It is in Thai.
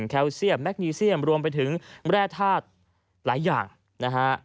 แคลเซียมแมคนีเซียมรวมไปถึงแร่ธาตุหลายอย่างนะฮะ